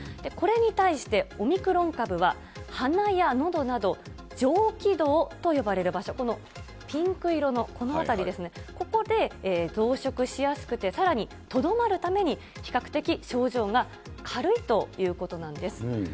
これに対してオミクロン株は、鼻やのどなど、上気道と呼ばれる場所、このピンク色のこの辺りですね、ここで増殖しやすくて、さらにとどまるために、比較的症状が軽いということなんです。